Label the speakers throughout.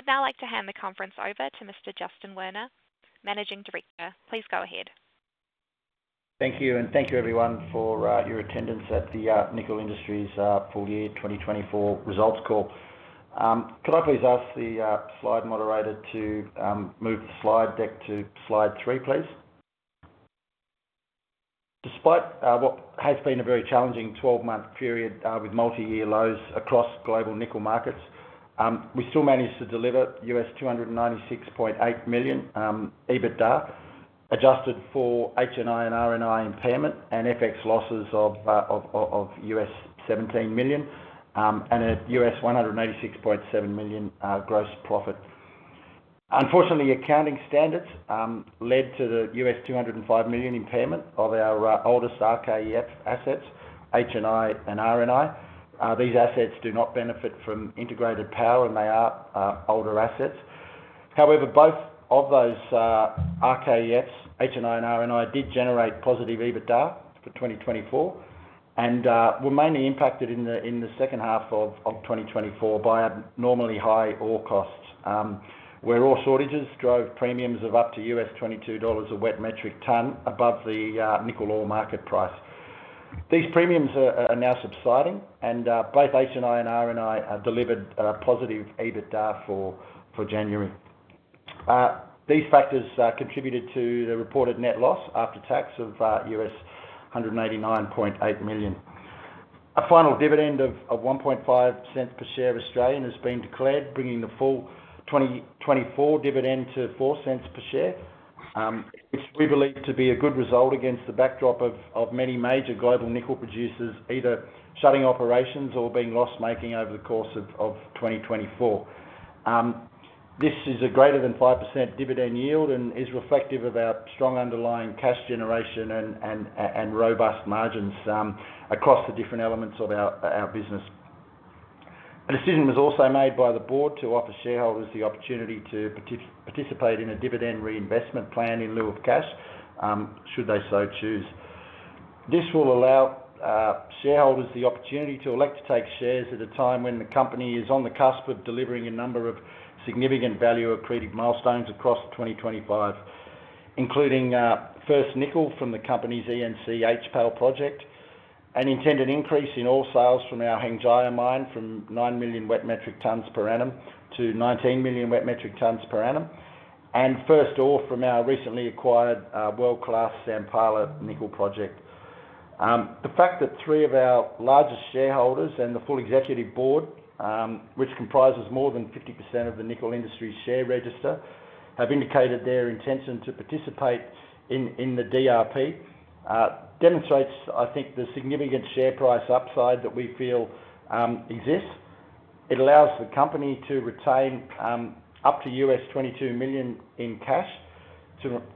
Speaker 1: I would now like to hand the conference over to Mr. Justin Werner, Managing Director. Please go ahead.
Speaker 2: Thank you, and thank you everyone for your attendance at the Nickel Industries Full Year 2024 Results Call. Could I please ask the slide moderator to move the slide deck to slide three, please? Despite what has been a very challenging 12-month period, with multi-year lows across global nickel markets, we still managed to deliver $296.8 million EBITDA adjusted for HNI and RNI impairment and FX losses of $17 million, and a $186.7 million gross profit. Unfortunately, accounting standards led to the $205 million impairment of our oldest RKEF assets, HNI and RNI. These assets do not benefit from integrated power, and they are older assets. However, both of those RKEFs, HNI and RNI, did generate positive EBITDA for 2024 and were mainly impacted in the second half of 2024 by abnormally high ore costs, where ore shortages drove premiums of up to $22 a wet metric ton above the nickel ore market price. These premiums are now subsiding, and both HNI and RNI delivered positive EBITDA for January. These factors contributed to the reported net loss after tax of $189.8 million. A final dividend of 0.015 per share has been declared, bringing the full 2024 dividend to 0.04 per share, which we believe to be a good result against the backdrop of many major global nickel producers either shutting operations or being loss-making over the course of 2024. This is a greater than 5% dividend yield and is reflective of our strong underlying cash generation and robust margins across the different elements of our business. A decision was also made by the board to offer shareholders the opportunity to participate in a dividend reinvestment plan in lieu of cash, should they so choose. This will allow shareholders the opportunity to elect to take shares at a time when the company is on the cusp of delivering a number of significant value-accretive milestones across 2025, including first nickel from the company's ENC HPAL project, an intended increase in ore sales from our Hengjaya Mine from 9 million wet metric tons per annum to 19 million wet metric tons per annum, and first ore from our recently acquired world-class Sampala nickel project. The fact that three of our largest shareholders and the full executive board, which comprises more than 50% of the Nickel Industries share register, have indicated their intention to participate in the DRP, demonstrates, I think, the significant share price upside that we feel exists. It allows the company to retain up to $22 million in cash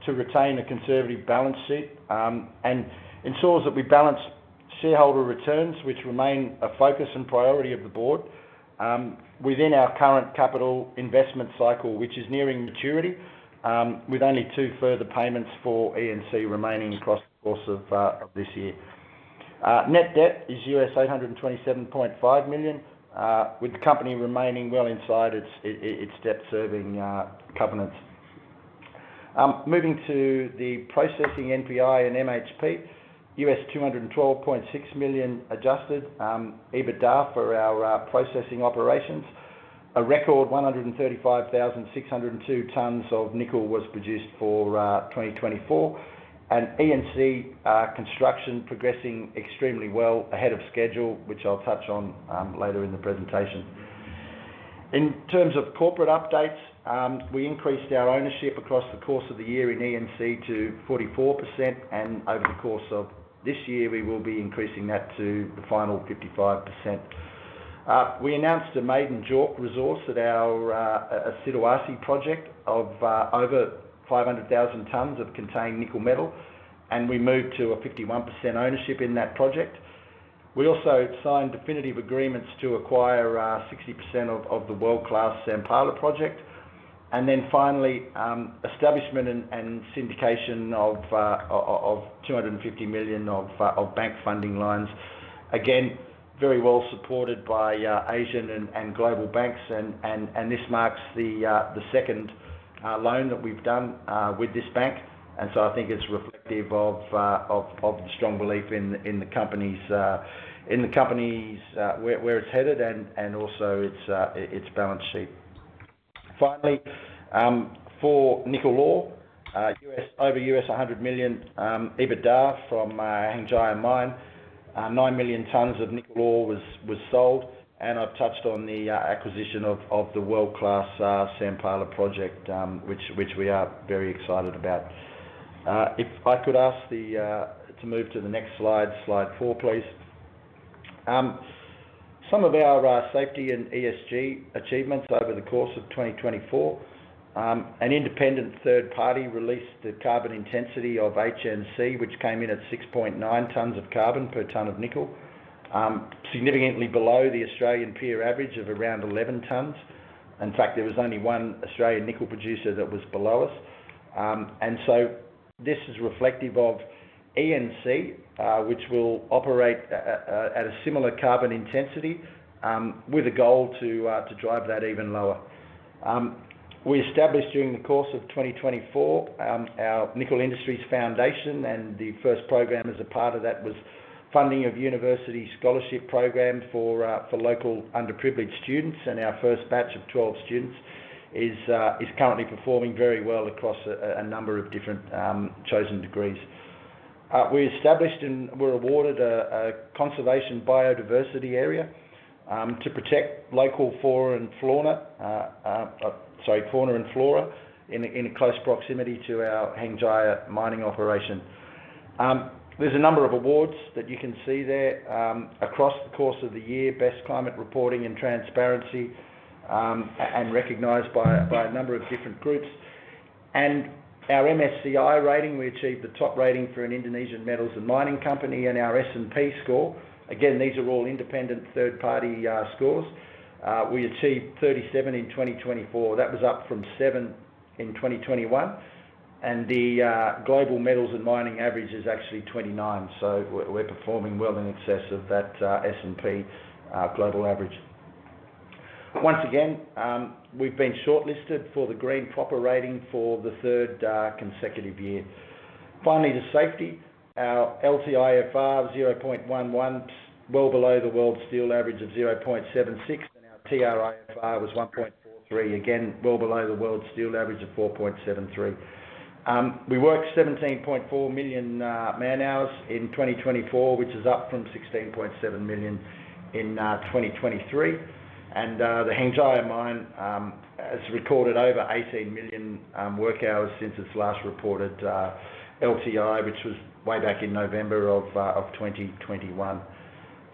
Speaker 2: to retain a conservative balance sheet, and ensures that we balance shareholder returns, which remain a focus and priority of the board, within our current capital investment cycle, which is nearing maturity, with only two further payments for ENC remaining across the course of this year. Net debt is $827.5 million, with the company remaining well inside its debt-servicing covenants. Moving to the processing NPI and MHP, $212.6 million adjusted EBITDA for our processing operations, a record 135,602 tons of nickel was produced for 2024, and ENC construction progressing extremely well ahead of schedule, which I'll touch on later in the presentation. In terms of corporate updates, we increased our ownership across the course of the year in ENC to 44%, and over the course of this year, we will be increasing that to the final 55%. We announced a maiden JORC resource at our Siduarsi project of over 500,000 tons of contained nickel metal, and we moved to a 51% ownership in that project. We also signed definitive agreements to acquire 60% of the world-class Sampala project, and then finally, establishment and syndication of $250 million of bank funding lines, again, very well supported by Asian and global banks, and this marks the second loan that we've done with this bank, and so I think it's reflective of the strong belief in the company's where it's headed and also its balance sheet. Finally, for nickel ore, over $100 million EBITDA from Hengjaya Mine, 9 million tons of nickel ore was sold, and I've touched on the acquisition of the world-class Sampala project, which we are very excited about. If I could ask the to move to the next slide, slide four, please. Some of our safety and ESG achievements over the course of 2024, an independent third party released the carbon intensity of HNC, which came in at 6.9 tons of carbon per ton of nickel, significantly below the Australian peer average of around 11 tons. In fact, there was only one Australian nickel producer that was below us, and so this is reflective of ENC, which will operate at a similar carbon intensity, with a goal to drive that even lower. We established during the course of 2024 our Nickel Industries Foundation, and the first program as a part of that was funding of university scholarship program for local underprivileged students, and our first batch of 12 students is currently performing very well across a number of different chosen degrees. We established and were awarded a conservation biodiversity area to protect local fauna and flora in close proximity to our Hengjaya mining operation. There's a number of awards that you can see there across the course of the year, best climate reporting and transparency, and recognized by a number of different groups, and our MSCI rating. We achieved the top rating for an Indonesian metals and mining company, and our S&P score. Again, these are all independent third party scores. We achieved 37 in 2024. That was up from seven in 2021, and the global metals and mining average is actually 29, so we're performing well in excess of that S&P Global average. Once again, we've been shortlisted for the Green PROPER rating for the third consecutive year. Finally, the safety, our LTIFR of 0.11, well below the world steel average of 0.76, and our TRIFR was 1.43, again, well below the world steel average of 4.73. We worked 17.4 million man hours in 2024, which is up from 16.7 million in 2023, and the Hengjaya Mine has recorded over 18 million work hours since its last reported LTI, which was way back in November of 2021.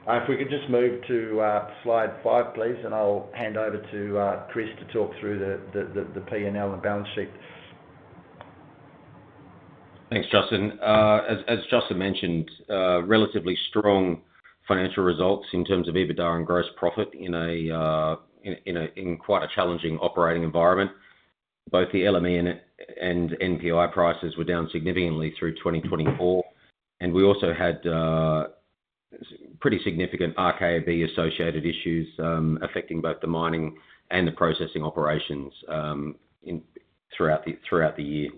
Speaker 2: If we could just move to slide five, please, and I'll hand over to Chris to talk through the P&L and balance sheet.
Speaker 3: Thanks, Justin. As Justin mentioned, relatively strong financial results in terms of EBITDA and gross profit in quite a challenging operating environment. Both the LME and NPI prices were down significantly through 2024, and we also had pretty significant RKEF associated issues, affecting both the mining and the processing operations throughout the year.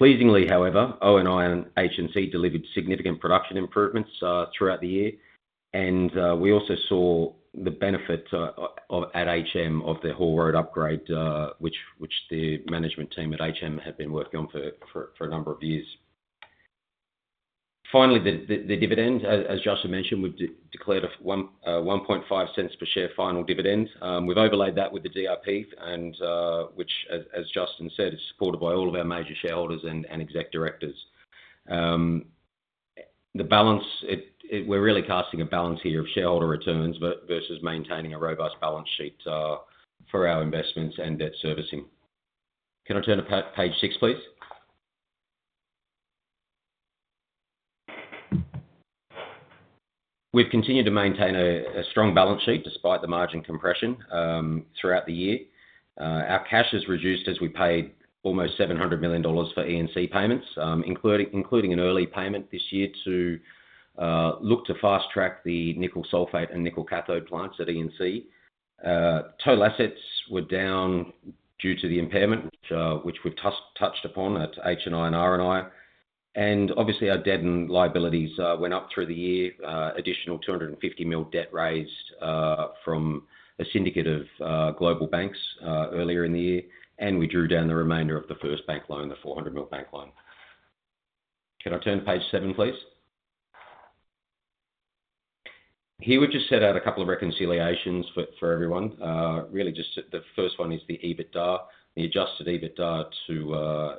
Speaker 3: Pleasingly, however, ONI and HNC delivered significant production improvements throughout the year, and we also saw the benefit of the haul road upgrade at HM, which the management team at HM had been working on for a number of years. Finally, the dividend, as Justin mentioned, we've declared a 0.015 per share final dividend. We've overlaid that with the DRP, and which, as Justin said, is supported by all of our major shareholders and executive directors. The balance, we're really casting a balance here of shareholder returns versus maintaining a robust balance sheet, for our investments and debt servicing. Can I turn to page six, please? We've continued to maintain a strong balance sheet despite the margin compression, throughout the year. Our cash has reduced as we paid almost $700 million for ENC payments, including an early payment this year to look to fast-track the nickel sulfate and nickel cathode plants at ENC. Total assets were down due to the impairment, which we've touched upon at HNI and RNI, and obviously our debt and liabilities went up through the year, additional $250 million debt raised from a syndicate of global banks earlier in the year, and we drew down the remainder of the first bank loan, the $400 million bank loan. Can I turn to page seven, please? Here we just set out a couple of reconciliations for everyone. Really just the first one is the EBITDA, the adjusted EBITDA to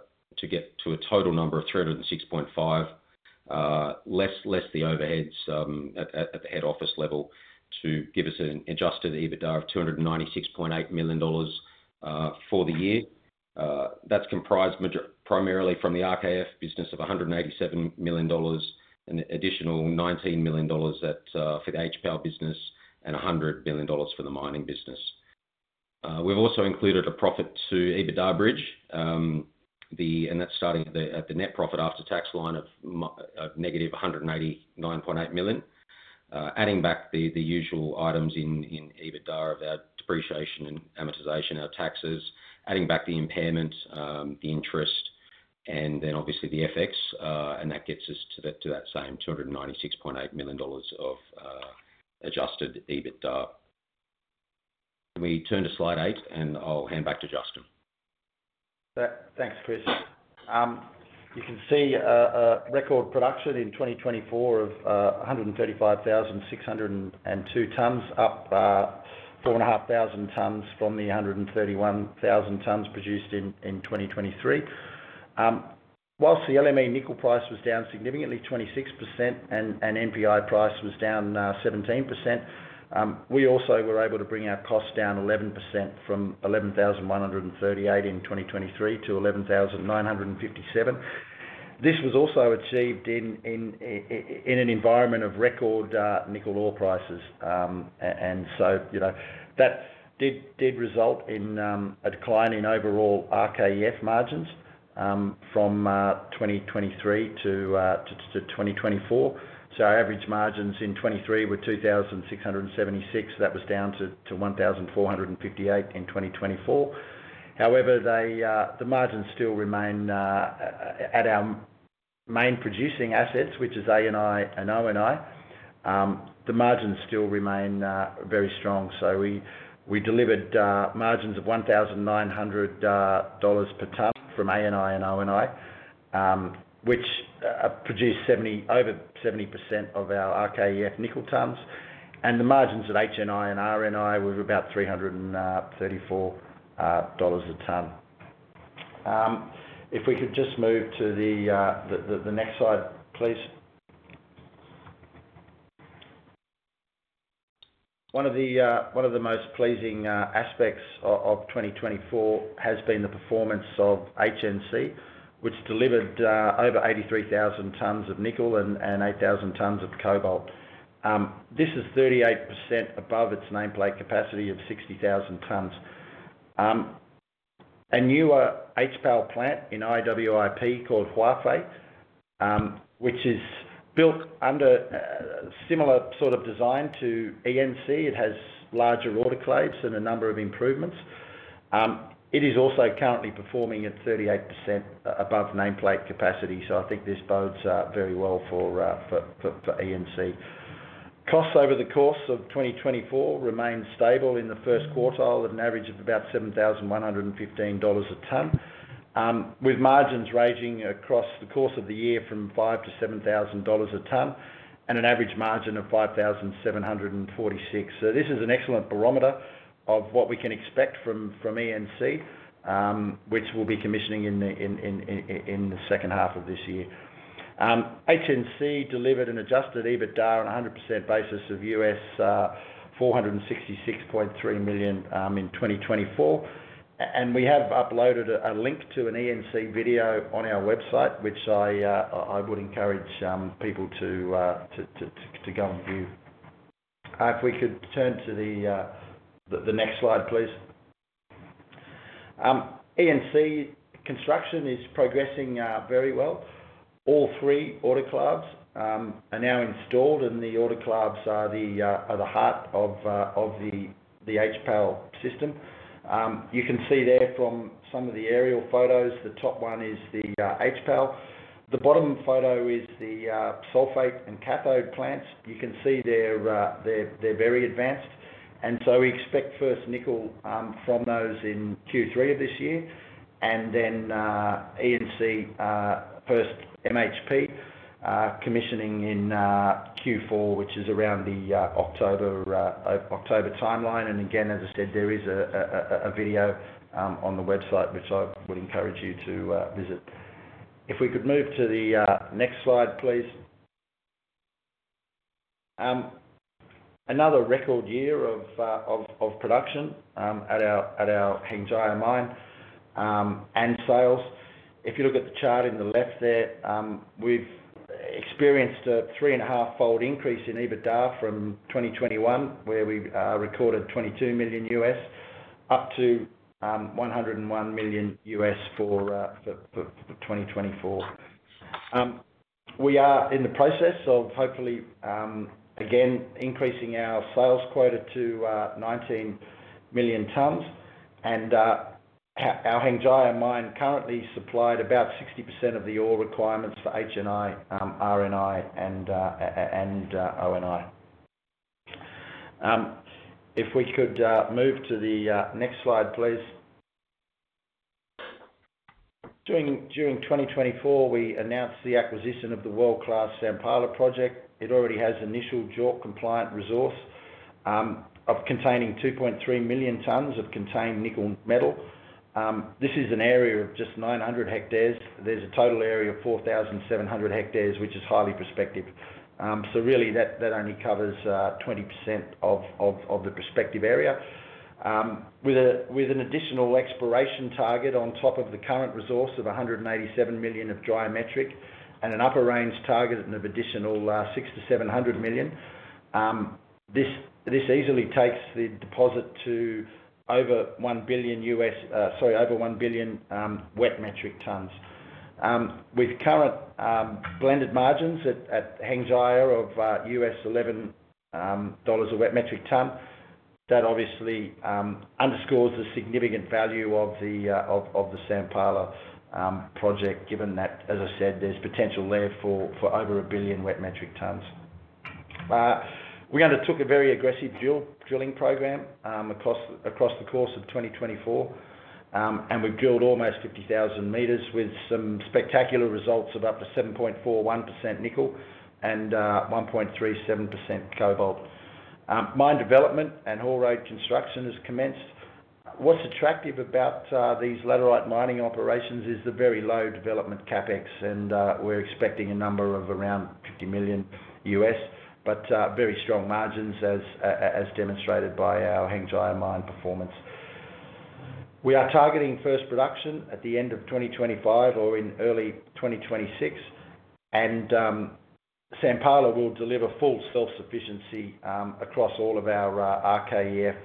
Speaker 3: get to a total number of $306.5 million, less the overheads at the head office level to give us an adjusted EBITDA of $296.8 million for the year. That's comprised mainly primarily from the RKEF business of $187 million and additional $19 million for the HPAL business and $100 million for the mining business. We've also included a profit to EBITDA bridge, and that's starting at the net profit after tax line of negative $189.8 million, adding back the usual items in EBITDA of our depreciation and amortization, our taxes, adding back the impairment, the interest, and then obviously the FX, and that gets us to that same $296.8 million of adjusted EBITDA. We turn to slide eight, and I'll hand back to Justin.
Speaker 2: Thanks, Chris. You can see a record production in 2024 of 135,602 tons, up 4,500 tons from the 131,000 tons produced in 2023. While the LME nickel price was down significantly 26%, and NPI price was down 17%, we also were able to bring our costs down 11% from 11,138 in 2023 to 11,957. This was also achieved in an environment of record nickel ore prices, and so you know that did result in a decline in overall RKEF margins from 2023 to 2024, so our average margins in 2023 were 2,676. That was down to 1,458 in 2024. However, the margins still remain at our main producing assets, which is ANI and ONI, very strong. So we delivered margins of $1,900 per ton from ANI and ONI, which produced over 70% of our RKEF nickel tons, and the margins at HNI and RNI were about $334 a ton. If we could just move to the next slide, please. One of the most pleasing aspects of 2024 has been the performance of HNC, which delivered over 83,000 tons of nickel and 8,000 tons of cobalt. This is 38% above its nameplate capacity of 60,000 tons. A newer HPAL plant in IWIP called Huafei, which is built under similar sort of design to ENC. It has larger autoclaves and a number of improvements. It is also currently performing at 38% above nameplate capacity, so I think this bodes very well for ENC. Costs over the course of 2024 remained stable in the first quartile at an average of about $7,115 a ton, with margins ranging across the course of the year from $5,000 to $7,000 a ton and an average margin of $5,746. So this is an excellent barometer of what we can expect from ENC, which we'll be commissioning in the second half of this year. HNC delivered an adjusted EBITDA on a 100% basis of $466.3 million in 2024, and we have uploaded a link to an ENC video on our website, which I would encourage people to go and view. If we could turn to the next slide, please. ENC construction is progressing very well. All three autoclaves are now installed, and the autoclaves are the heart of the HPAL system. You can see there from some of the aerial photos, the top one is the HPAL. The bottom photo is the sulfate and cathode plants. You can see they're very advanced, and so we expect first nickel from those in Q3 of this year, and then ENC first MHP commissioning in Q4, which is around the October timeline. And again, as I said, there is a video on the website, which I would encourage you to visit. If we could move to the next slide, please. Another record year of production at our Hengjaya Mine and sales. If you look at the chart in the left there, we've experienced a three and a half fold increase in EBITDA from 2021, where we recorded $22 million up to $101 million for 2024. We are in the process of hopefully, again, increasing our sales quota to 19 million tons, and our Hengjaya Mine currently supplied about 60% of the ore requirements for HNI, RNI, and ONI. If we could move to the next slide, please. During 2024, we announced the acquisition of the world-class Sampala project. It already has initial JORC compliant resource of containing 2.3 million tons of contained nickel metal. This is an area of just 900 hectares. There's a total area of 4,700 hectares, which is highly prospective, so really that only covers 20% of the prospective area. with an additional exploration target on top of the current resource of 187 million dry metric and an upper range target of additional 60 to 700 million, this easily takes the deposit to over 1 billion US, sorry, over 1 billion wet metric tons. With current blended margins at Hengjaya of $11 a wet metric ton, that obviously underscores the significant value of the Sampala project, given that, as I said, there's potential there for over a billion wet metric tons. We undertook a very aggressive drilling program across the course of 2024, and we've drilled almost 50,000 meters with some spectacular results of up to 7.41% nickel and 1.37% cobalt. Mine development and haul road construction has commenced. What's attractive about these laterite mining operations is the very low development CapEx, and we're expecting a number of around $50 million, but very strong margins as demonstrated by our Hengjaya Mine performance. We are targeting first production at the end of 2025 or in early 2026, and Sampala will deliver full self-sufficiency across all of our RKEF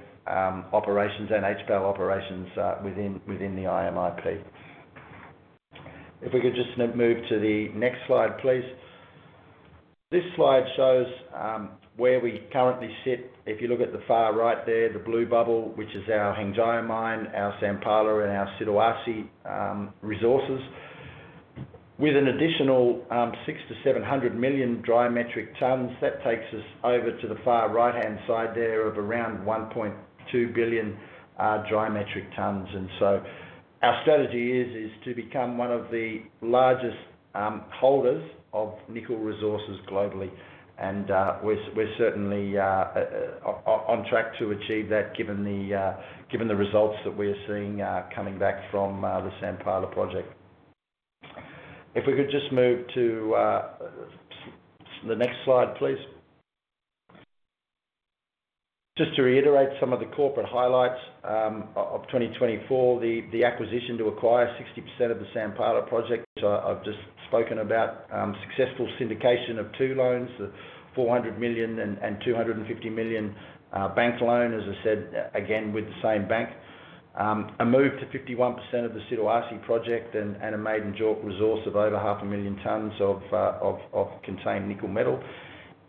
Speaker 2: operations and HPAL operations within the IMIP. If we could just move to the next slide, please. This slide shows where we currently sit. If you look at the far right there, the blue bubble, which is our Hengjaya Mine, our Sampala, and our Siduarsi resources. With an additional six to 700 million dry metric tons, that takes us over to the far right-hand side there of around 1.2 billion dry metric tons. And so our strategy is to become one of the largest holders of nickel resources globally, and we're certainly on track to achieve that given the results that we are seeing coming back from the Sampala project. If we could just move to the next slide, please. Just to reiterate some of the corporate highlights of 2024, the acquisition to acquire 60% of the Sampala project I've just spoken about, successful syndication of two loans, the $400 million and $250 million bank loan, as I said, again, with the same bank, a move to 51% of the Siduarsi project, and a maiden JORC resource of over 500,000 tons of contained nickel metal,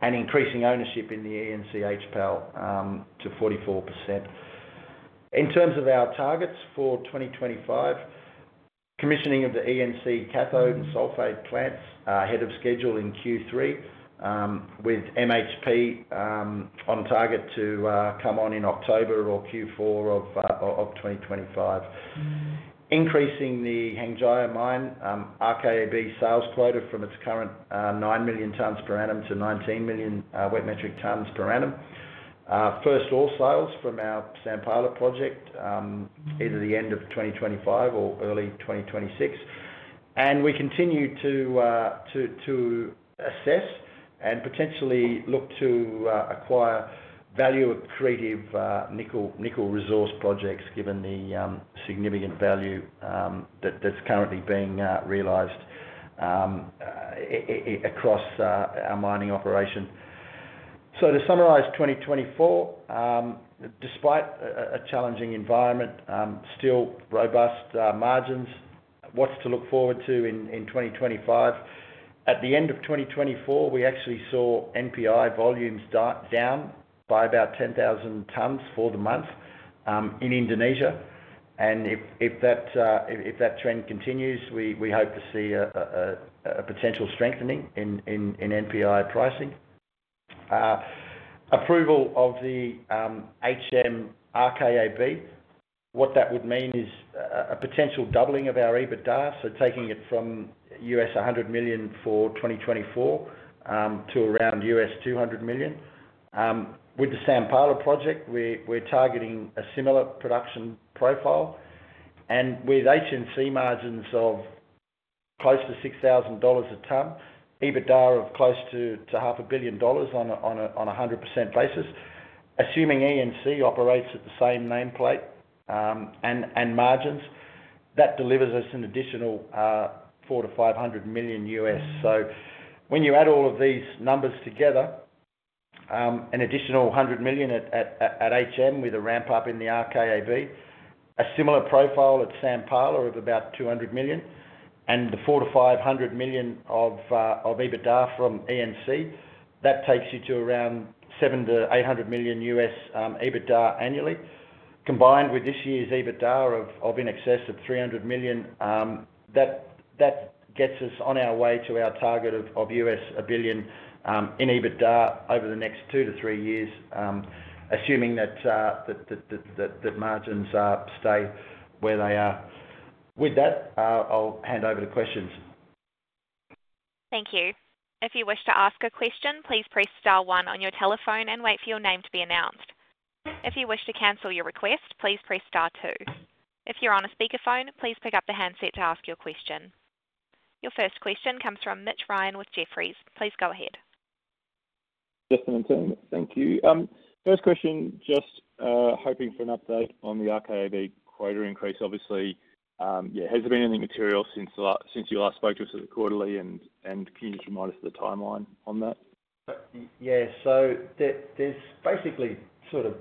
Speaker 2: and increasing ownership in the ENC HPAL to 44%. In terms of our targets for 2025, commissioning of the ENC cathode and sulfate plants, ahead of schedule in Q3, with MHP, on target to come on in October or Q4 of 2025. Increasing the Hengjaya Mine, RKAB sales quota from its current 9 million tons per annum to 19 million wet metric tons per annum, first ore sales from our Sampala project, either the end of 2025 or early 2026. We continue to assess and potentially look to acquire value-accretive nickel resource projects given the significant value that's currently being realized across our mining operation. To summarize 2024, despite a challenging environment, still robust margins, what's to look forward to in 2025. At the end of 2024, we actually saw NPI volumes down by about 10,000 tons for the month, in Indonesia. If that trend continues, we hope to see a potential strengthening in NPI pricing. Approval of the HNI RKAB would mean a potential doubling of our EBITDA, so taking it from $100 million for 2024 to around $200 million. With the Sampala project, we're targeting a similar production profile, and with HNC margins of close to $6,000 a ton, EBITDA of close to $500 million on a 100% basis, assuming ENC operates at the same nameplate and margins, that delivers us an additional $400 million to $500 million. So when you add all of these numbers together, an additional $100 million at HM with a ramp up in the RKAB, a similar profile at Sampala of about $200 million, and the $400 million to $500 million of EBITDA from ENC, that takes you to around $700 million to $800 million EBITDA annually, combined with this year's EBITDA of in excess of $300 million. That gets us on our way to our target of $1 billion in EBITDA over the next two to three years, assuming that margins stay where they are. With that, I'll hand over to questions.
Speaker 1: Thank you. If you wish to ask a question, please press star one on your telephone and wait for your name to be announced. If you wish to cancel your request, please press star two. If you're on a speakerphone, please pick up the handset to ask your question. Your first question comes from Mitch Ryan with Jefferies. Please go ahead.
Speaker 4: Yes, I'm in team. Thank you. First question, just hoping for an update on the RKAB quota increase. Obviously, yeah, has there been anything material since the last, since you last spoke to us at the quarterly, and, and can you just remind us of the timeline on that?
Speaker 2: Yeah, so there's basically sort of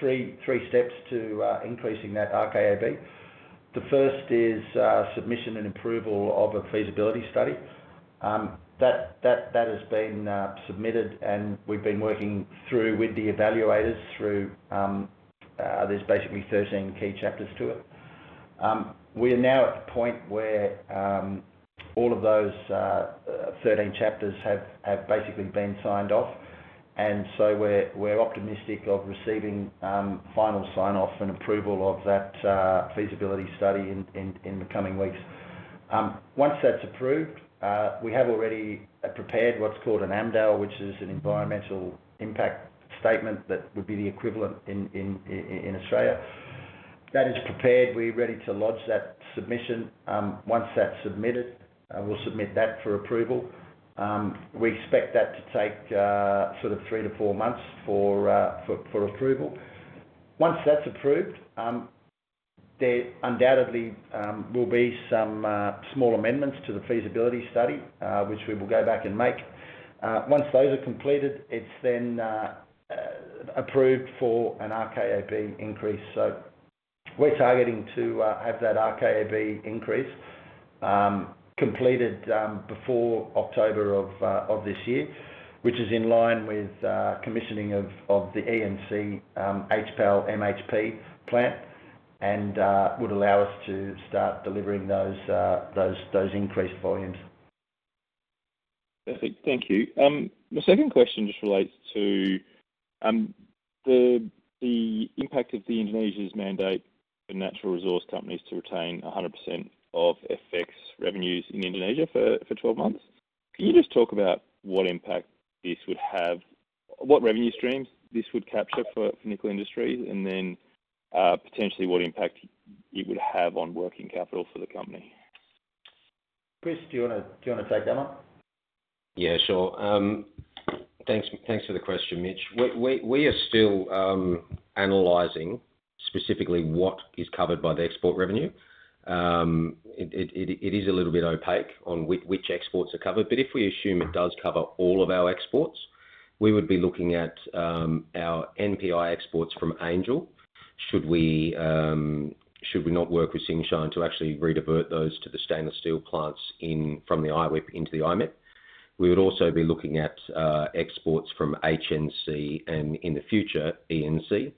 Speaker 2: three steps to increasing that RKAB. The first is submission and approval of a feasibility study that has been submitted, and we've been working through with the evaluators. There's basically 13 key chapters to it. We are now at the point where all of those 13 chapters have basically been signed off, and so we're optimistic of receiving final sign-off and approval of that feasibility study in the coming weeks. Once that's approved, we have already prepared what's called an AMDAL, which is an environmental impact statement that would be the equivalent in Australia. That is prepared. We're ready to lodge that submission. Once that's submitted, we'll submit that for approval. We expect that to take sort of three to four months for approval. Once that's approved, there undoubtedly will be some small amendments to the feasibility study, which we will go back and make. Once those are completed, it's then approved for an RKAB increase. So we're targeting to have that RKAB increase completed before October of this year, which is in line with commissioning of the ENC HPAL MHP plant, and would allow us to start delivering those increased volumes.
Speaker 4: Perfect. Thank you. My second question just relates to the impact of Indonesia's mandate for natural resource companies to retain 100% of FX revenues in Indonesia for 12 months. Can you just talk about what impact this would have, what revenue streams this would capture for Nickel Industries, and then, potentially what impact it would have on working capital for the company?
Speaker 2: Chris, do you want to take that one?
Speaker 3: Yeah, sure. Thanks for the question, Mitch. We are still analyzing specifically what is covered by the export revenue. It is a little bit opaque on which exports are covered, but if we assume it does cover all of our exports, we would be looking at our NPI exports from Angel. Should we not work with Tsingshan to actually redivert those to the stainless steel plants in from the IWIP into the IMIP? We would also be looking at exports from HNC and in the future ENC.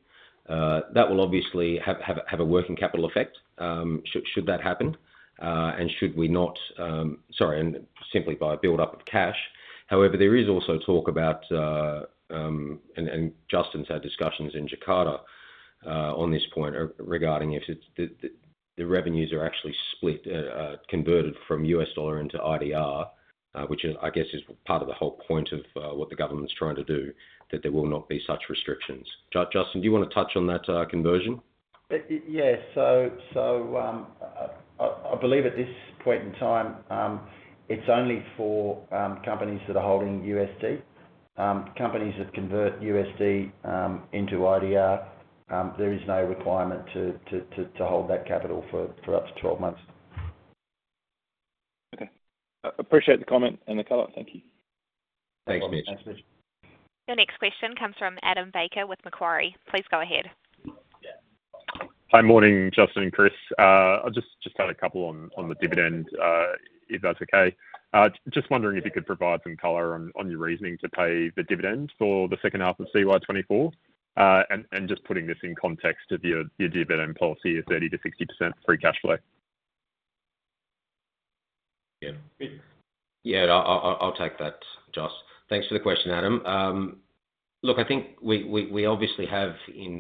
Speaker 3: That will obviously have a working capital effect, should that happen, and should we not, sorry, and simply by a buildup of cash. However, there is also talk about, and Justin's had discussions in Jakarta on this point regarding if the revenues are actually split, converted from US dollar into IDR, which is, I guess, part of the whole point of what the government's trying to do, that there will not be such restrictions. Justin, do you want to touch on that, conversion?
Speaker 2: Yeah. So, I believe at this point in time, it's only for companies that are holding USD, companies that convert USD into IDR. There is no requirement to hold that capital for up to 12 months.
Speaker 4: Okay. Appreciate the comment and the color. Thank you.
Speaker 3: Thanks, Mitch.
Speaker 2: Thanks, Mitch.
Speaker 1: Your next question comes from Adam Baker with Macquarie. Please go ahead.
Speaker 5: Hi, morning, Justin and Chris. I'll just add a couple on the dividend, if that's okay. Just wondering if you could provide some color on your reasoning to pay the dividend for the second half of CY24, and just putting this in context of your dividend policy of 30%-60% free cash flow.
Speaker 3: Yeah. Yeah, I'll take that, Just. Thanks for the question, Adam. Look, I think we obviously have,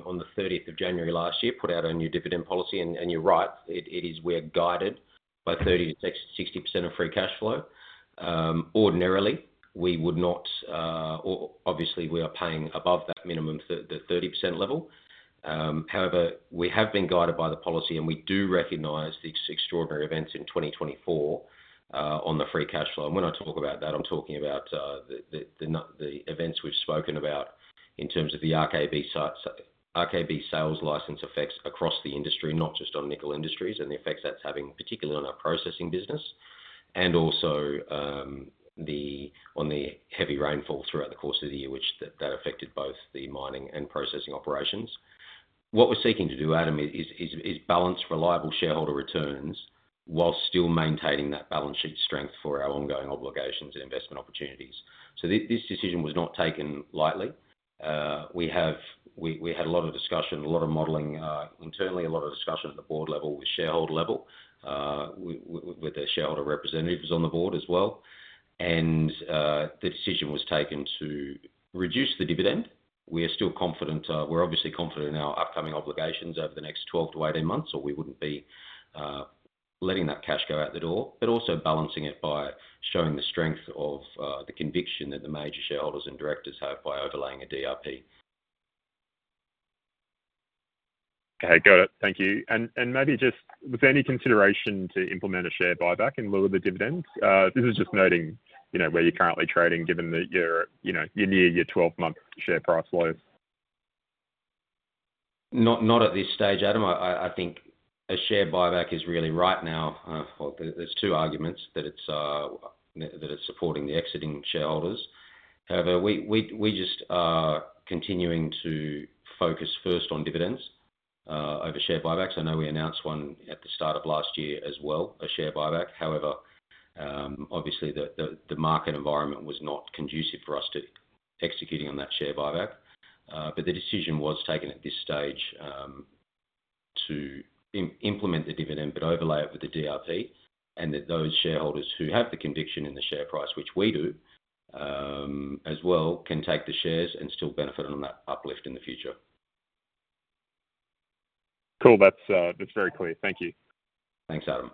Speaker 3: on the 30th of January last year, put out our new dividend policy, and you're right, it is, we are guided by 30%-60% of free cash flow. Ordinarily, we would not, or obviously we are paying above that minimum, the 30% level. However, we have been guided by the policy, and we do recognize the extraordinary events in 2024 on the free cash flow. When I talk about that, I'm talking about the events we've spoken about in terms of the RKAB sites, RKAB sales license effects across the industry, not just on Nickel Industries, and the effects that's having, particularly on our processing business, and also the heavy rainfall throughout the course of the year, which affected both the mining and processing operations. What we're seeking to do, Adam, is balance reliable shareholder returns while still maintaining that balance sheet strength for our ongoing obligations and investment opportunities. So this decision was not taken lightly. We had a lot of discussion, a lot of modeling, internally, a lot of discussion at the board level, with shareholder level, with the shareholder representatives on the board as well. The decision was taken to reduce the dividend. We are still confident. We're obviously confident in our upcoming obligations over the next 12-18 months, or we wouldn't be letting that cash go out the door, but also balancing it by showing the strength of the conviction that the major shareholders and directors have by overlaying a DRP.
Speaker 5: Okay, got it. Thank you. And, and maybe just, was there any consideration to implement a share buyback and lower the dividend? This is just noting, you know, where you're currently trading, given that you're, you know, you're near your 12-month share price lows.
Speaker 3: Not at this stage, Adam. I think a share buyback is really right now. Well, there's two arguments that it's supporting the exiting shareholders. However, we just continuing to focus first on dividends, over share buybacks. I know we announced one at the start of last year as well, a share buyback. However, obviously the market environment was not conducive for us to executing on that share buyback. But the decision was taken at this stage, to implement the dividend, but overlay it with the DRP, and those shareholders who have the conviction in the share price, which we do, as well, can take the shares and still benefit on that uplift in the future.
Speaker 5: Cool. That's, that's very clear. Thank you.
Speaker 3: Thanks, Adam.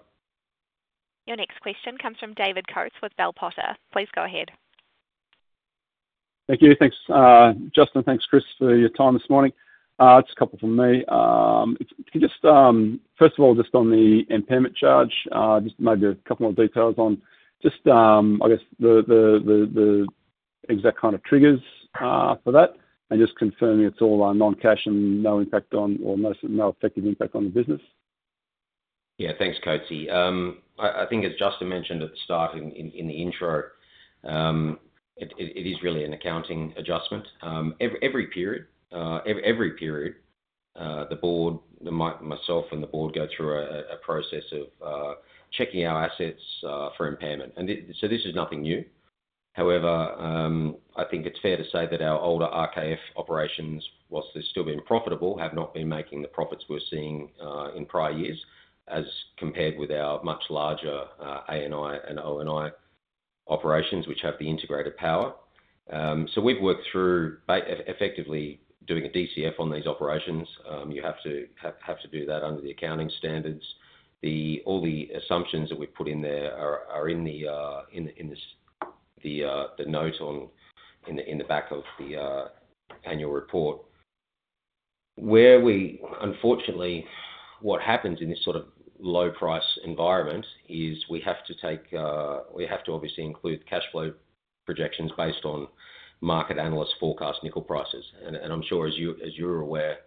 Speaker 1: Your next question comes from David Coates with Bell Potter. Please go ahead.
Speaker 6: Thank you. Thanks, Justin. Thanks, Chris, for your time this morning. It's a couple from me. Can you just, first of all, just on the impairment charge, just maybe a couple more details on, I guess, the exact kind of triggers for that, and just confirming it's all non-cash and no impact on or no effective impact on the business.
Speaker 3: Yeah, thanks, Coatsy. I think as Justin mentioned at the start in the intro, it is really an accounting adjustment. Every period, the board, myself and the board go through a process of checking our assets for impairment. And so this is nothing new. However, I think it's fair to say that our older RKEF operations, while they're still being profitable, have not been making the profits we're seeing in prior years as compared with our much larger ANI and ONI operations, which have the integrated power. So we've worked through effectively doing a DCF on these operations. You have to do that under the accounting standards. All the assumptions that we've put in there are in the note in the back of the annual report. Where, unfortunately, what happens in this sort of low-price environment is we have to obviously include cash flow projections based on market analysts' forecast nickel prices. I'm sure as you're aware,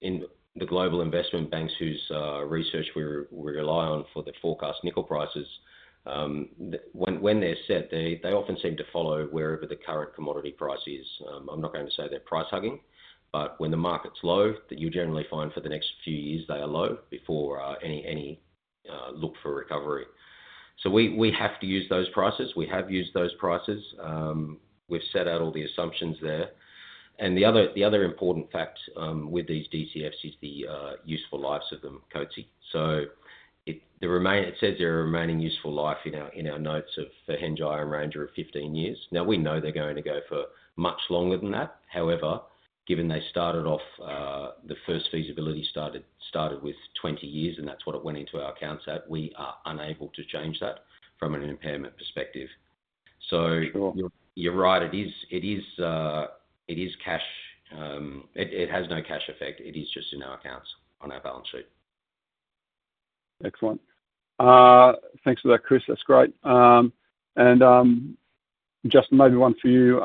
Speaker 3: in the global investment banks whose research we rely on for the forecast nickel prices, when they're set, they often seem to follow wherever the current commodity price is. I'm not going to say they're price hugging, but when the market's low, you generally find for the next few years they are low before any look for recovery. So we have to use those prices. We have used those prices. We've set out all the assumptions there. And the other important fact with these DCFs is the useful lives of them, Coatsy. So it says there are remaining useful life in our notes of for Hengjaya, ONI, Ranger of 15 years. Now we know they're going to go for much longer than that. However, given they started off, the first feasibility started with 20 years, and that's what it went into our accounts at, we are unable to change that from an impairment perspective. So you're right. It is cash. It has no cash effect. It is just in our accounts on our balance sheet.
Speaker 6: Excellent. Thanks for that, Chris. That's great. And, Justin, maybe one for you,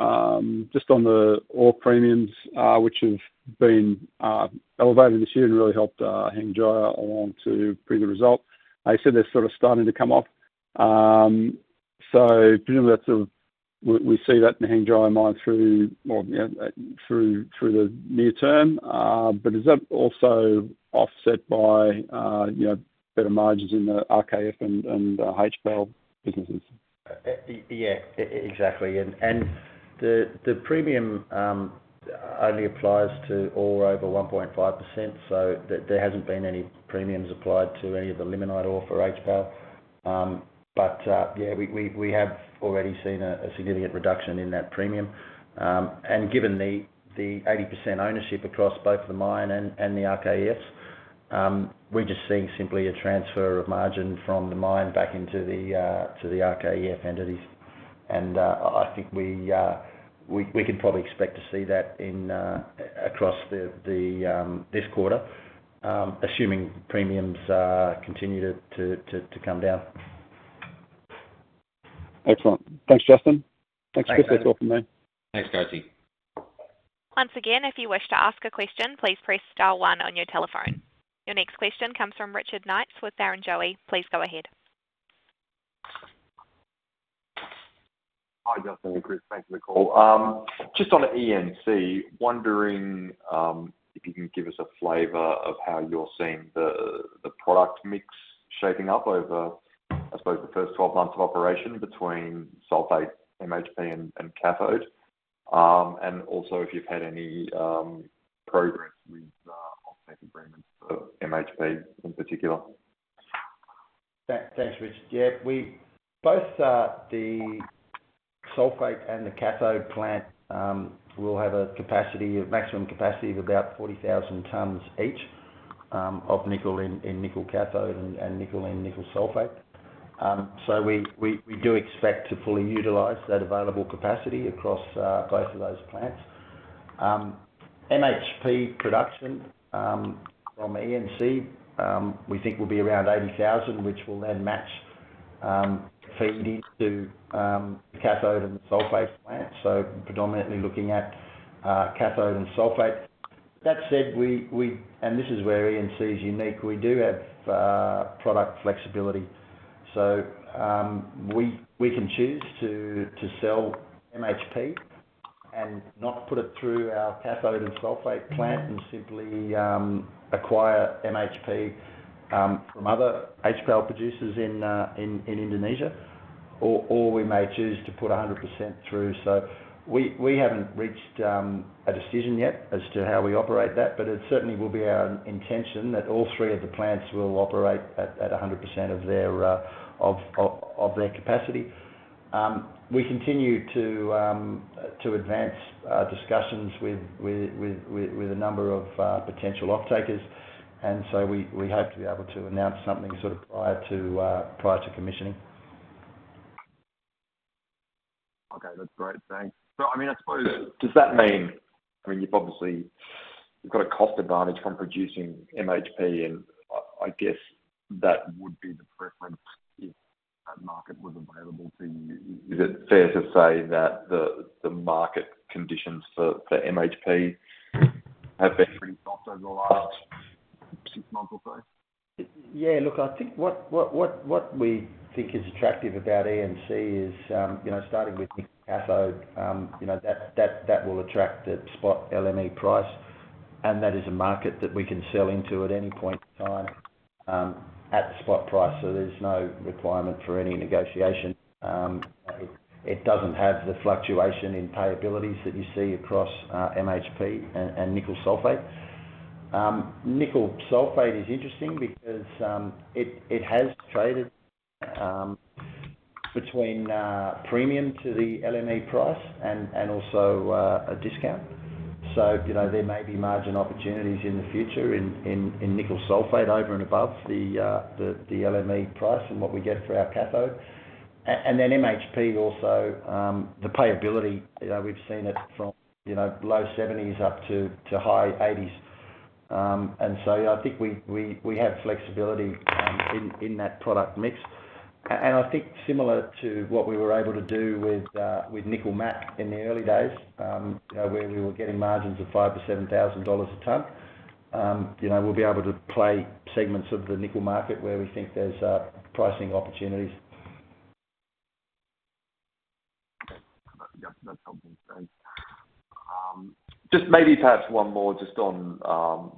Speaker 6: just on the ore premiums, which have been elevated this year and really helped Hengjaya along to bring the result. I said they're sort of starting to come off. So presumably that's sort of we see that in the Hengjaya Mine through, well, you know, through the near term. But is that also offset by, you know, better margins in the RKEF and HPAL businesses?
Speaker 2: Yeah, exactly. And the premium only applies to or over 1.5%, so there hasn't been any premiums applied to any of the limonite or for HPAL. But yeah, we have already seen a significant reduction in that premium. And given the 80% ownership across both the mine and the RKEFs, we're just seeing simply a transfer of margin from the mine back into the RKF entities. And I think we can probably expect to see that across this quarter, assuming premiums continue to come down.
Speaker 6: Excellent. Thanks, Justin. Thanks, Chris. That's all from me.
Speaker 3: Thanks, Coatsy.
Speaker 1: Once again, if you wish to ask a question, please press star one on your telephone. Your next question comes from Richard Knights with Barrenjoey. Please go ahead.
Speaker 7: Hi, Justin and Chris. Thanks for the call. Just on ENC, wondering if you can give us a flavor of how you're seeing the product mix shaping up over, I suppose, the first 12 months of operation between sulfate, MHP, and cathode, and also if you've had any progress with offtake agreements for MHP in particular.
Speaker 2: Thanks, Richard. Yeah, we both, the sulfate and the cathode plant, will have a maximum capacity of about 40,000 tons each, of nickel in nickel cathode and nickel in nickel sulfate, so we do expect to fully utilize that available capacity across both of those plants. MHP production from ENC, we think will be around 80,000, which will then match, feed into, the cathode and sulfate plants, so predominantly looking at cathode and sulfate. That said, we, and this is where ENC is unique, we do have product flexibility, so we can choose to sell MHP and not put it through our cathode and sulfate plant and simply acquire MHP from other HPAL producers in Indonesia, or we may choose to put 100% through. So we haven't reached a decision yet as to how we operate that, but it certainly will be our intention that all three of the plants will operate at 100% of their capacity. We continue to advance discussions with a number of potential offtakers, and so we hope to be able to announce something sort of prior to commissioning.
Speaker 7: Okay. That's great. Thanks. But I mean, I suppose, does that mean, I mean, you've obviously, you've got a cost advantage from producing MHP, and I guess that would be the preference if that market was available to you. Is it fair to say that the market conditions for MHP have been pretty soft over the last six months or so?
Speaker 2: Yeah. Look, I think what we think is attractive about ENC is, you know, starting with nickel cathode, you know, that will attract the spot LME price, and that is a market that we can sell into at any point in time, at the spot price. So there's no requirement for any negotiation. It doesn't have the fluctuation in payabilities that you see across MHP and nickel sulfate. Nickel sulfate is interesting because it has traded between premium to the LME price and also a discount. So, you know, there may be margin opportunities in the future in nickel sulfate over and above the LME price and what we get for our cathode. And then MHP also, the payability, you know, we've seen it from, you know, low 70s up to high 80s. And so I think we have flexibility in that product mix, and I think similar to what we were able to do with nickel MHP in the early days, you know, where we were getting margins of $5,000-$7,000 a ton, you know, we'll be able to play segments of the nickel market where we think there's pricing opportunities.
Speaker 7: Yep, that's helpful. Thanks. Just maybe perhaps one more just on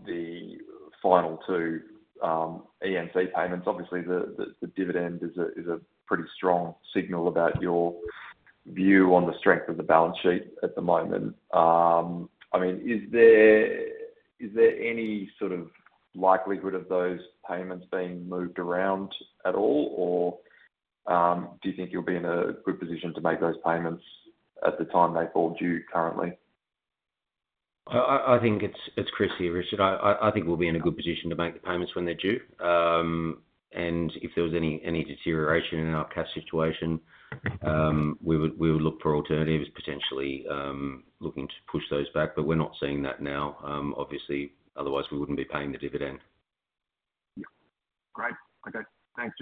Speaker 7: the final two ENC payments. Obviously, the dividend is a pretty strong signal about your view on the strength of the balance sheet at the moment. I mean, is there any sort of likelihood of those payments being moved around at all, or do you think you'll be in a good position to make those payments at the time they're called due currently?
Speaker 3: I think it's Chris here, Richard. I think we'll be in a good position to make the payments when they're due. And if there was any deterioration in our cash situation, we would look for alternatives, potentially looking to push those back, but we're not seeing that now. Obviously, otherwise we wouldn't be paying the dividend.
Speaker 7: Yep. Great. Okay. Thanks.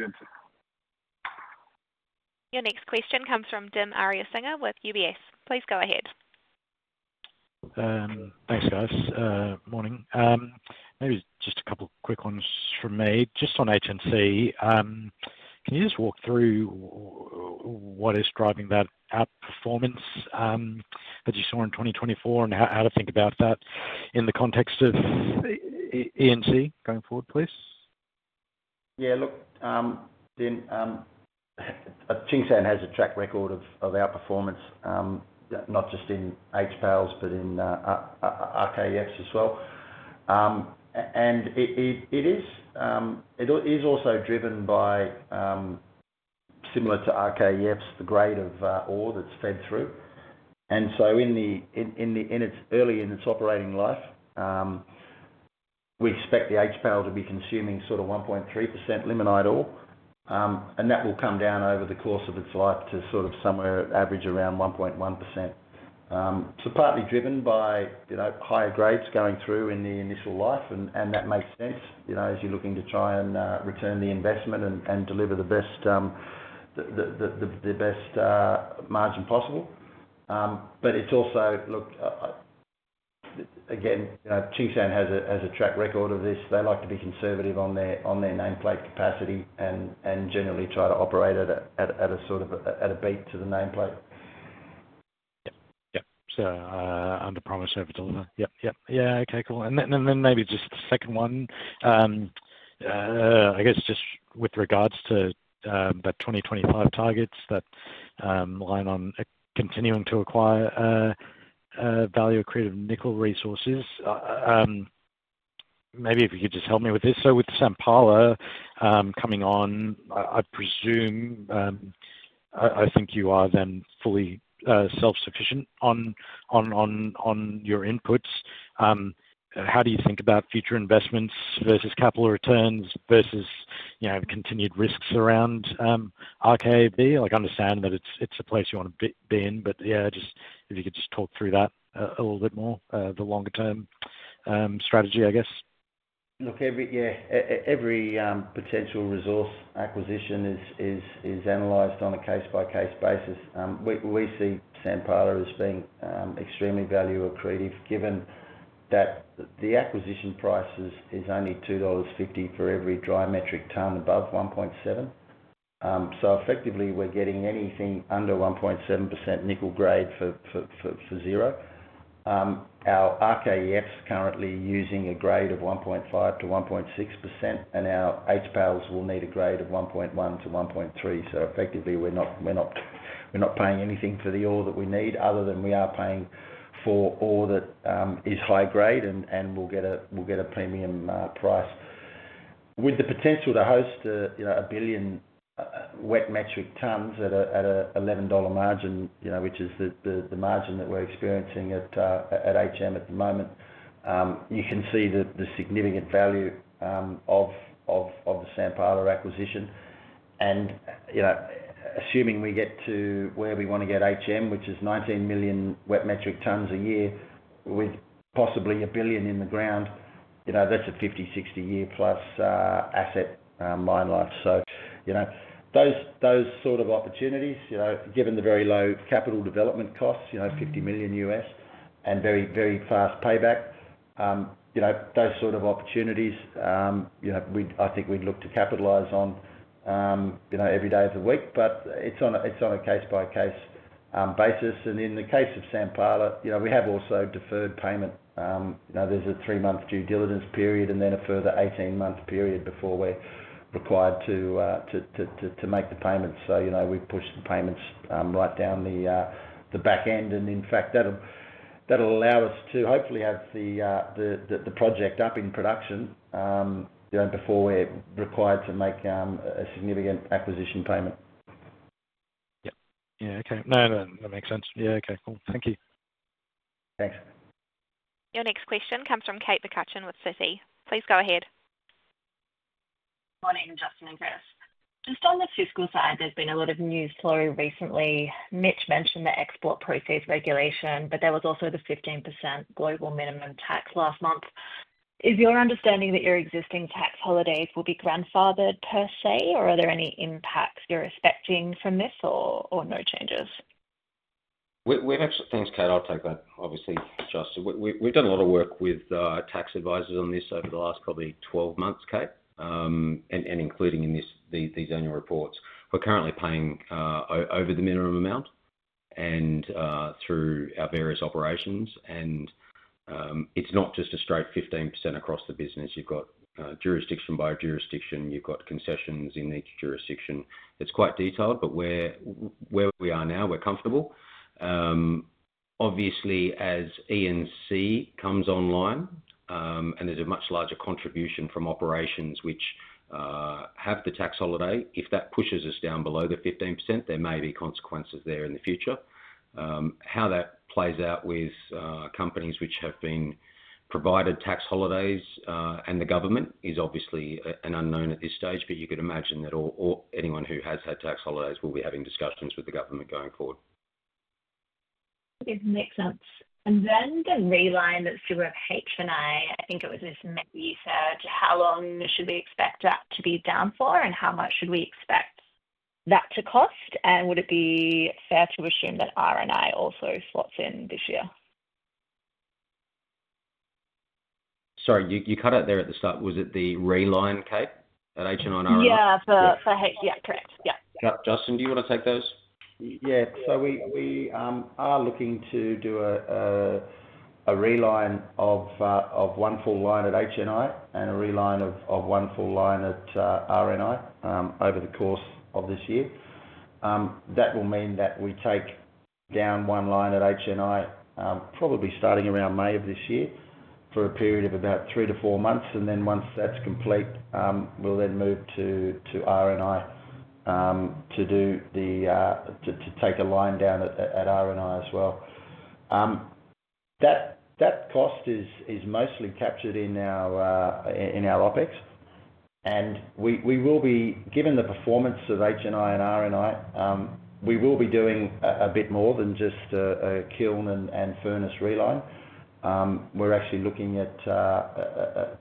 Speaker 1: Your next question comes from Dim Ariyasinghe with UBS. Please go ahead.
Speaker 8: Thanks, guys. Morning. Maybe just a couple quick ones from me. Just on HNC, can you just walk through what is driving that outperformance, that you saw in 2024 and how, how to think about that in the context of ENC going forward, please?
Speaker 2: Yeah. Look, Dim, Tsingshan has a track record of outperformance, not just in HPALs, but in RKEFs as well. And it is also driven by, similar to RKEFs, the grade of ore that's fed through. And so in its early operating life, we expect the HPAL to be consuming sort of 1.3% limonite ore, and that will come down over the course of its life to sort of somewhere average around 1.1%. So partly driven by, you know, higher grades going through in the initial life, and that makes sense, you know, as you're looking to try and return the investment and deliver the best margin possible. But it's also, look, again, you know, Tsingshan has a track record of this. They like to be conservative on their nameplate capacity and generally try to operate at a sort of beat to the nameplate.
Speaker 8: Yep. So, under promise over deliver. Yeah. Okay. Cool. And then maybe just the second one, I guess just with regards to the 2025 targets that line on continuing to acquire value accretive nickel resources. Maybe if you could just help me with this. So with the Sampala coming on, I presume I think you are then fully self-sufficient on your inputs. How do you think about future investments versus capital returns versus, you know, continued risks around RKAB? Like, I understand that it's a place you want to be in, but yeah, just if you could just talk through that a little bit more, the longer term strategy, I guess.
Speaker 2: Look, every, yeah, every potential resource acquisition is analyzed on a case-by-case basis. We see Sampala as being extremely value accretive given that the acquisition price is only $2.50 for every dry metric ton above 1.7%. So effectively we're getting anything under 1.7% nickel grade for zero. Our RKEFs currently using a grade of 1.5-1.6%, and our HPALs will need a grade of 1.1-1.3%. So effectively we're not paying anything for the ore that we need other than we are paying for ore that is high grade and we'll get a premium price with the potential to host a, you know, a billion wet metric tons at a $11 margin, you know, which is the margin that we're experiencing at HM at the moment. You can see the significant value of the Sampala acquisition. And, you know, assuming we get to where we want to get HM, which is 19 million wet metric tons a year with possibly a billion in the ground, you know, that's a 50-60-year-plus asset mine life. So, you know, those sort of opportunities, you know, given the very low capital development costs, you know, $50 million and very, very fast payback, you know, those sort of opportunities, you know, we'd, I think we'd look to capitalize on, you know, every day of the week, but it's on a case-by-case basis. And in the case of Sampala, you know, we have also deferred payment. You know, there's a three-month due diligence period and then a further 18-month period before we're required to make the payments. So, you know, we push the payments right down the back end. And in fact, that'll allow us to hopefully have the project up in production, you know, before we're required to make a significant acquisition payment.
Speaker 8: Yep. Yeah. Okay. No, no, that makes sense. Yeah. Okay. Cool. Thank you.
Speaker 2: Thanks.
Speaker 1: Your next question comes from Kate McCutcheon with Citi. Please go ahead.
Speaker 9: Morning, Justin and Chris. Just on the fiscal side, there's been a lot of news flow recently. Mitch mentioned the export proceeds regulation, but there was also the 15% global minimum tax last month. Is your understanding that your existing tax holidays will be grandfathered per se, or are there any impacts you're expecting from this or no changes?
Speaker 3: We have some things, Kate. I'll take that, obviously, Justin. We've done a lot of work with tax advisors on this over the last probably 12 months, Kate, and including in this these annual reports. We're currently paying over the minimum amount through our various operations. It's not just a straight 15% across the business. You've got jurisdiction by jurisdiction. You've got concessions in each jurisdiction. It's quite detailed, but where we are now, we're comfortable. Obviously, as ENC comes online, and there's a much larger contribution from operations which have the tax holiday, if that pushes us down below the 15%, there may be consequences there in the future. How that plays out with companies which have been provided tax holidays, and the government is obviously an unknown at this stage, but you could imagine that all anyone who has had tax holidays will be having discussions with the government going forward.
Speaker 9: It makes sense. And then the realignment through of HNI, I think it was Mr. Werner said, how long should we expect that to be down for and how much should we expect that to cost? And would it be fair to assume that RNI also slots in this year?
Speaker 3: Sorry, you cut out there at the start. Was it the realign, Kate, at HNI and RNI?
Speaker 9: Yeah. For H. Yeah. Correct. Yeah.
Speaker 3: Justin, do you want to take those?
Speaker 2: Yeah. So we are looking to do a realign of one full line at HNI and a realign of one full line at RNI over the course of this year. That will mean that we take down one line at HNI, probably starting around May of this year for a period of about three to four months, and then once that's complete, we'll then move to RNI to take a line down at RNI as well. That cost is mostly captured in our OpEx, and given the performance of HNI and RNI, we will be doing a bit more than just a kiln and furnace realign. We're actually looking at a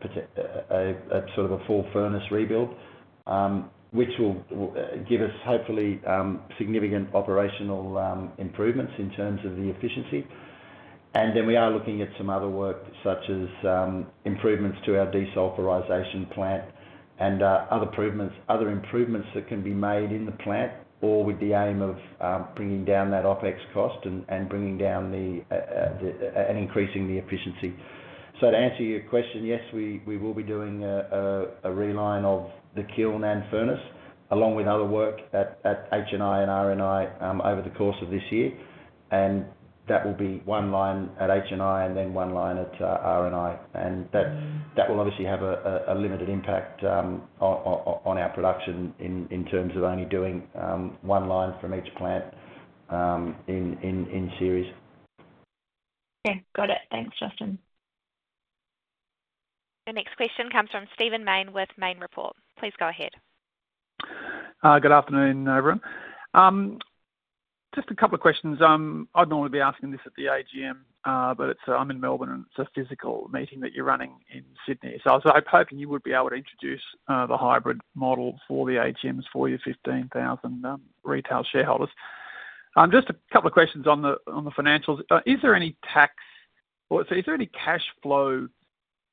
Speaker 2: sort of full furnace rebuild, which will give us hopefully significant operational improvements in terms of the efficiency. Then we are looking at some other work such as improvements to our desulfurization plant and other improvements that can be made in the plant with the aim of bringing down that OPEX cost and increasing the efficiency. To answer your question, yes, we will be doing a realignment of the kiln and furnace along with other work at HNI and RNI over the course of this year. That will be one line at HNI and then one line at RNI. That will obviously have a limited impact on our production in terms of only doing one line from each plant in series.
Speaker 9: Okay. Got it. Thanks, Justin.
Speaker 1: Your next question comes from Stephen Mayne with Mayne Report. Please go ahead.
Speaker 10: Good afternoon, everyone. Just a couple of questions. I'd normally be asking this at the AGM, but it's. I'm in Melbourne and it's a physical meeting that you're running in Sydney. So I was hoping you would be able to introduce the hybrid model for the AGMs for your 15,000 retail shareholders. Just a couple of questions on the financials. Is there any tax or is there any cash flow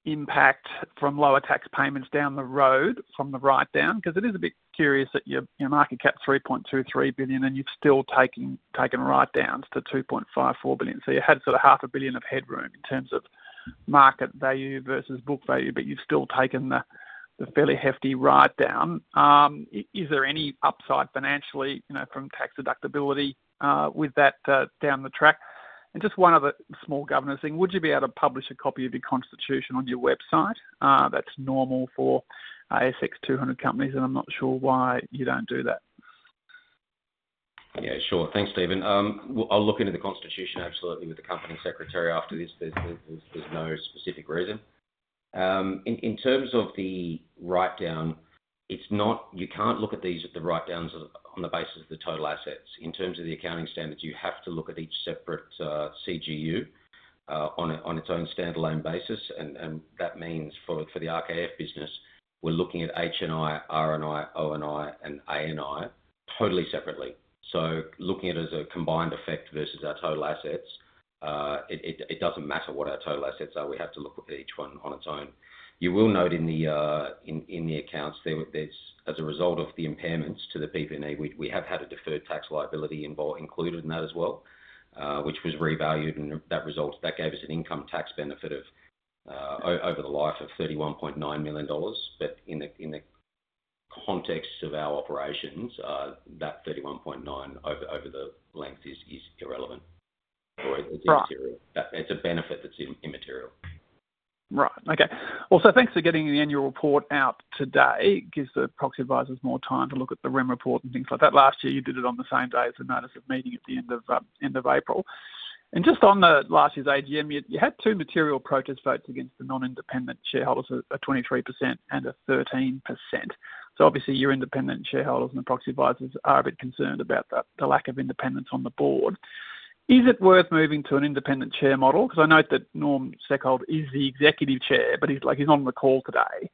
Speaker 10: impact from lower tax payments down the road from the write-down? Because it is a bit curious that your market cap's 3.23 billion and you've still taken write-downs to 2.54 billion. So you had sort of 500 million of headroom in terms of market value versus book value, but you've still taken the fairly hefty write-down. Is there any upside financially, you know, from tax deductibility with that down the track? Just one other small governance thing. Would you be able to publish a copy of your constitution on your website? That's normal for ASX 200 companies and I'm not sure why you don't do that.
Speaker 3: Yeah. Sure. Thanks, Stephen. I'll look into the constitution absolutely with the company secretary after this. There's no specific reason. In terms of the write-down, it's not, you can't look at these write-downs on the basis of the total assets. In terms of the accounting standards, you have to look at each separate CGU on its own standalone basis. And that means for the RKEF business, we're looking at HNI, RNI, ONI, and ANI totally separately. So looking at it as a combined effect versus our total assets, it doesn't matter what our total assets are. We have to look at each one on its own. You will note in the accounts there, there's as a result of the impairments to the PP&E, we have had a deferred tax liability involved included in that as well, which was revalued and that gave us an income tax benefit of over the life of $31.9 million. But in the context of our operations, that 31.9 over the life is irrelevant or it's immaterial.
Speaker 10: Right. Right.
Speaker 3: That it's a benefit that's immaterial.
Speaker 10: Right. Okay. Well, so thanks for getting the annual report out today. It gives the proxy advisors more time to look at the REM report and things like that. Last year you did it on the same day as the notice of meeting at the end of April. And just on last year's AGM, you had two material protest votes against the non-independent shareholders, a 23% and a 13%. So obviously your independent shareholders and the proxy advisors are a bit concerned about the lack of independence on the board. Is it worth moving to an independent chair model? Because I know that Norm Seckold is the executive chair, but he's like, he's not on the call today.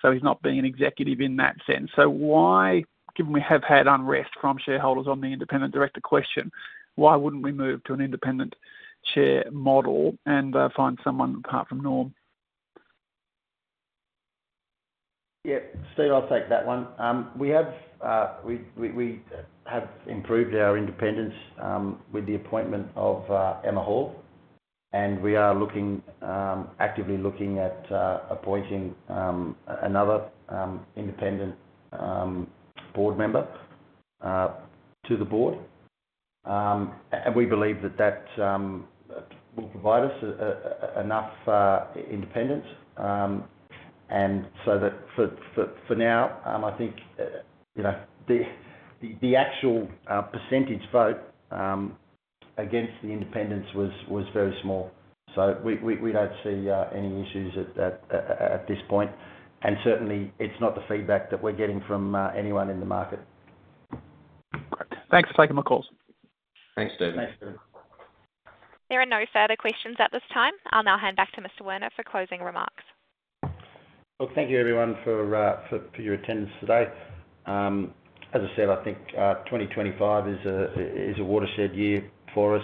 Speaker 10: So he's not being an executive in that sense. So why, given we have had unrest from shareholders on the independent director question, why wouldn't we move to an independent chair model and, find someone apart from Norm?
Speaker 2: Yeah. Steve, I'll take that one. We have improved our independence with the appointment of Emma Hall. We are actively looking at appointing another independent board member to the board. We believe that will provide us enough independence. So for now, I think, you know, the actual percentage vote against the independence was very small. So we don't see any issues at this point. And certainly it's not the feedback that we're getting from anyone in the market.
Speaker 10: Great. Thanks for taking my calls.
Speaker 3: Thanks, Stephen.
Speaker 2: Thanks, Stephen.
Speaker 1: There are no further questions at this time. I'll now hand back to Mr. Werner for closing remarks.
Speaker 2: Thank you everyone for your attendance today. As I said, I think 2025 is a watershed year for us.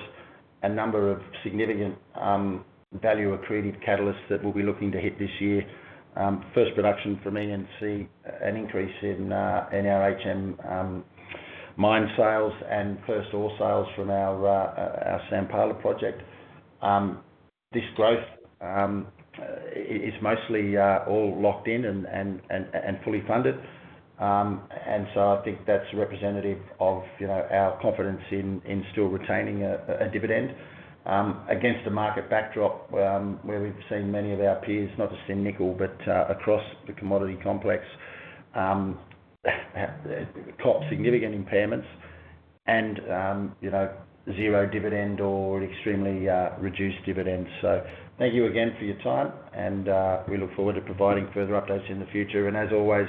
Speaker 2: A number of significant value accretive catalysts that we'll be looking to hit this year. First production from ENC, an increase in our HM mine sales and first ore sales from our Sampala project. This growth is mostly all locked in and fully funded. So I think that's representative of, you know, our confidence in still retaining a dividend. Against the market backdrop, where we've seen many of our peers, not just in nickel but across the commodity complex, caught significant impairments and, you know, zero dividend or extremely reduced dividends. Thank you again for your time. We look forward to providing further updates in the future. As always,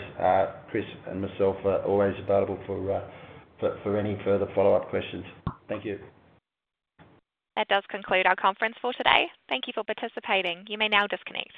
Speaker 2: Chris and myself are always available for any further follow-up questions. Thank you.
Speaker 1: That does conclude our conference for today. Thank you for participating. You may now disconnect.